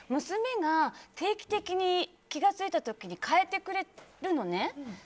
娘が定期的に気が付いたときに変えてくれるのね。